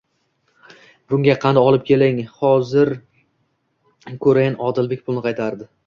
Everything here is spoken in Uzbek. Bunga qand olib keling. Hozirlnk ko'rayin. Odilbek pulni qaytardi.